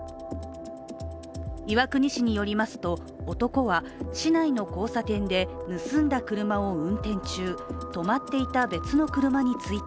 岩国市によりますと男は市内の交差点で盗んだ車を運転中、止まっていた別の車に追突。